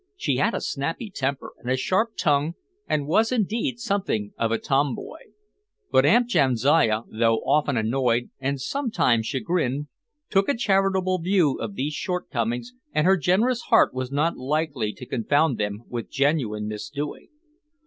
She had a snappy temper and a sharp tongue and was, indeed, something of a tomboy. But Aunt Jamsiah, though often annoyed and sometimes chagrined, took a charitable view of these shortcomings and her generous heart was not likely to confound them with genuine misdoing.